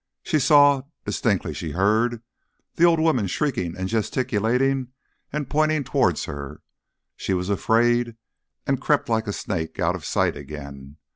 She saw distinctly she heard the old woman shrieking and gesticulating and pointing towards her. She was afraid, and crept like a snake out of sight again.